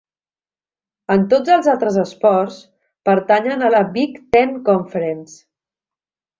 En tots els altres esports, pertanyen a la Big Ten Conference.